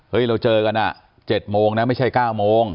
เฮ้ยเราเจอกันอ่ะ๗โมงนะไม่ใช่๙โมง